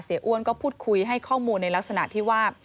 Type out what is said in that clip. อ้วนก็พูดคุยให้ข้อมูลในลักษณะที่ว่า